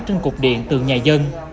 trên cục điện từ nhà dân